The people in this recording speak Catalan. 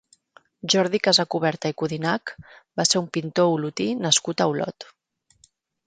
Jordi Casacuberta i Codinach va ser un pintor olotí nascut a Olot.